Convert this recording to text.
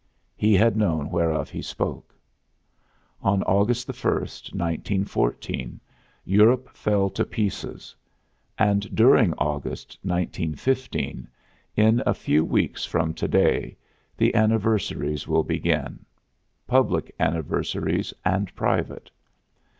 He had known whereof he spoke. On August 1, 1914, Europe fell to pieces; and during August, 1915, in a few weeks from to day, the anniversaries will begin public anniversaries and private.